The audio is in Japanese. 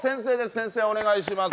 先生お願いします。